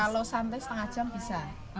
kalau santai setengah jam bisa